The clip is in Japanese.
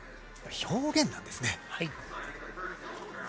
表現なんですね。